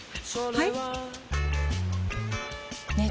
はい！